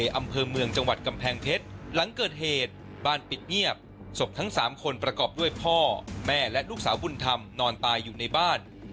อำเภอเมืองจังหวัดกำแพงเพชรหลังเกิดเหตุบ้านปิดเงียบศพทั้ง๓คนประกอบด้วยพ่อแม่และลูกสาวบุญธรรมนอนตายอยู่ในบ้าน